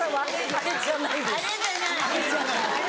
あれじゃない。